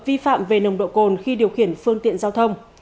vi phạm về nồng độ cồn khi điều khiển phương tiện giao thông